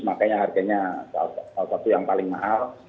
makanya harganya salah satu yang paling mahal